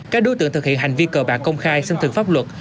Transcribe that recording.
các đối tượng thực hiện hành vi cơ bản công khai xâm thực pháp luật